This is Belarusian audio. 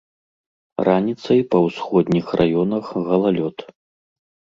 Раніцай па ўсходніх раёнах галалёд.